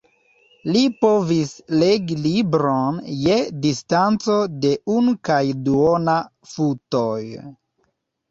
Li povis "legi libron je distanco de unu kaj duona futoj".